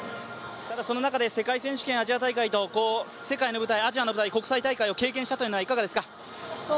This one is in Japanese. その中で世界選手権、アジア大会と世界の舞台、アジアの舞台、国際大会を経験したというのは、いかがですか？